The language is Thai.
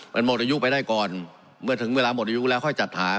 มันหมดอายุไปได้ก่อนเมื่อถึงเวลาหมดอายุแล้วค่อยจัดหา